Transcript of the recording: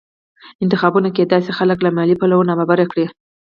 انتخابونه کېدای شي خلک له مالي پلوه نابرابره کړي